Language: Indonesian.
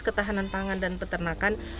ketahanan pangan dan peternakan